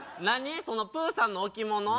何そのプーさんの置物